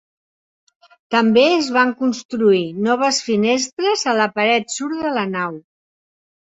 També es van construir noves finestres a la paret sud de la nau.